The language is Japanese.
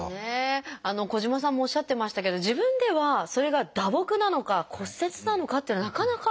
小島さんもおっしゃってましたけど自分ではそれが打撲なのか骨折なのかというのはなかなか分からないものですか？